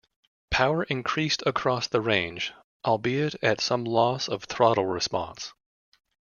Power increased across the range, albeit at some loss of throttle response.